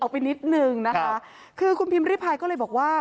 ไปนิดนึงนะคะคือคุณพิมพ์ริพายก็เลยบอกว่า